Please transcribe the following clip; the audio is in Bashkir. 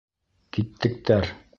Киттектәр!